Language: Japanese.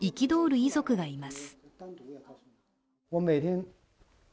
遺族がいます。